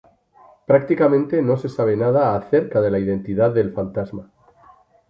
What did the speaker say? Prácticamente no se sabe nada acerca de la identidad del Fantasma.